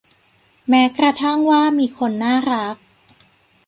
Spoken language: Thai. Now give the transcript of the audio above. แม้กระทั่งว่ามีคนน่ารัก